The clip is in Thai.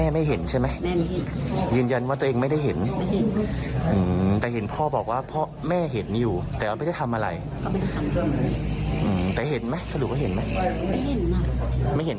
เพื่อที่จะมามาละโชน